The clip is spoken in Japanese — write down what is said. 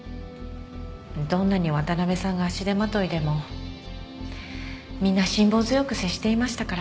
どんなに渡辺さんが足手まといでもみんな辛抱強く接していましたから。